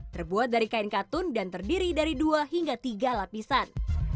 terbuat dari kain katun dan terdiri dari dua hingga tiga lapisan